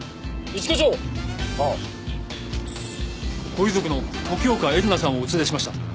ご遺族の時岡江留奈さんをお連れしました。